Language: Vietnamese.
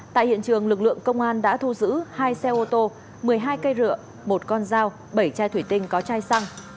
tại hiện trường lực lượng công an đã thu giữ hai xe ô tô một mươi hai cây rượu một con dao bảy chai thủy tinh có chai xăng